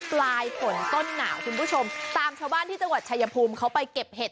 ปลายฝนต้นหนาวคุณผู้ชมตามชาวบ้านที่จังหวัดชายภูมิเขาไปเก็บเห็ด